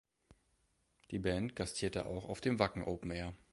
Die Band gastierte auch auf dem "Wacken Open Air".